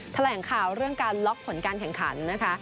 แถลงข่าวเรื่องการล็อกผลการแข่งขันนะคะ